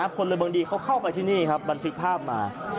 พลเมืองดีเขาเข้าไปที่นี่ครับบันทึกภาพมา